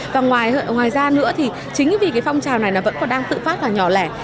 và ngoài ra nữa thì chính vì cái phong trào này nó vẫn còn đang tự phát là nhỏ lẻ